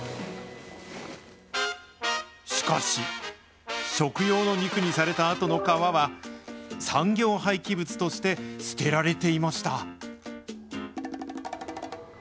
しかし、食用の肉にされたあとの皮は、産業廃棄物として捨てられていました。